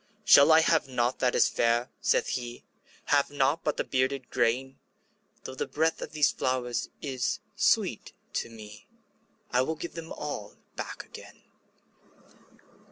``Shall I have nought that is fair?'' saith he; ``Have nought but the bearded grain? Though the breath of these flowers is sweet to me, I will give them all back again.''